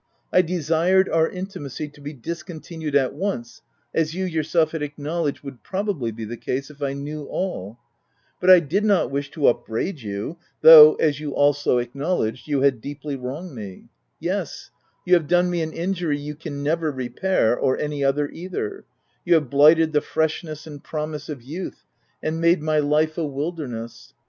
I desired our intimacy to be discon tinued at once, as you yourself had acknow ledged would probably be the case if I knew all ; but I did not wish to upbraid you, — though (as you also acknowledged) you had deeply wronged me — Yes ; you have done me an injury you can never repair — or any other either— you have blighted the freshness and promise of youth, and made my life a wilderness